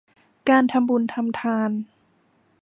การทำบุญทำทาน